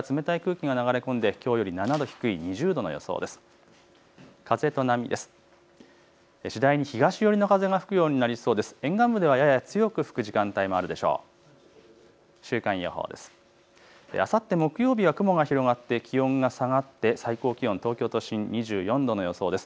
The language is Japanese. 特にみなかみ町、北から冷たい空気が流れ込んできょうより７度低い２０度の予想です。